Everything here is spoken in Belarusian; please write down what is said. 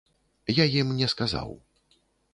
Я ім не сказаў.